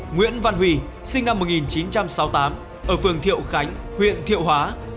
nguyễn văn huy sinh năm một nghìn chín trăm sáu mươi tám ở phường thiệu khánh huyện thiệu hóa